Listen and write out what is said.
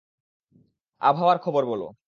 আবহাওয়ার খবর বলো।